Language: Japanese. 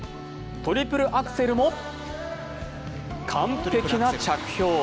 トリプルアクセルも完璧な着氷。